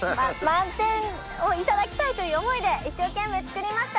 満点を頂きたいという思いで一生懸命作りました